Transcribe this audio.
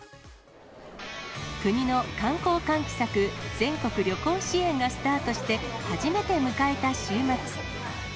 国の観光喚起策、全国旅行支援がスタートして初めて迎えた週末。